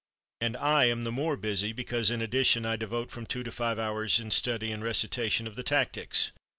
And I am the more busy, because in addition I devote from two to five hours in study and recitation of the tactics.